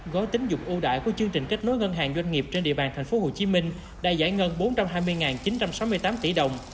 gói tính dụng ưu đại của chương trình kết nối ngân hàng doanh nghiệp trên địa bàn tp hcm đã giải ngân bốn trăm hai mươi chín trăm sáu mươi tám tỷ đồng